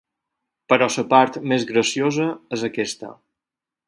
Però la part més graciosa és aquesta.